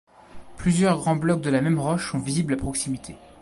Plusieurs grands blocs de la même roche sont visibles à proximité.